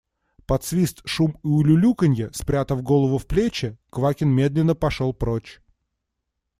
Под свист, шум и улюлюканье, спрятав голову в плечи, Квакин медленно пошел прочь.